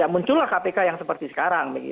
muncullah kpk yang seperti sekarang